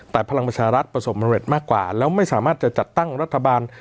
แต่พลังประชารัฐประสบมะเร็จมากกว่าแล้วไม่สามารถจะจัดตั้งรัฐบาล